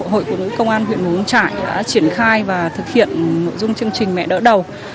hội phụ nữ công an huyện mù căng trải đã triển khai và thực hiện nội dung chương trình mẹ đỡ đầu